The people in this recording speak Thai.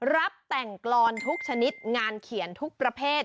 รับแต่งกรอนทุกชนิดงานเขียนทุกประเภท